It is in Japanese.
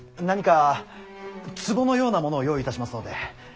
何か壺のようなものを用意いたしますので。